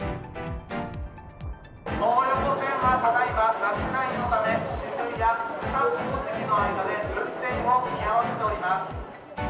東横線はただ今、落雷のため、渋谷・武蔵小杉の間で運転を見合わせております。